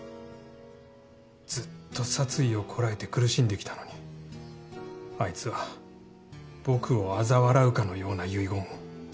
ずっと殺意をこらえて苦しんできたのにあいつは僕をあざ笑うかのような遺言を。